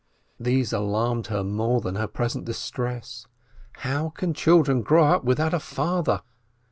.. These alarmed her more than her present distress. How can children grow up without a father?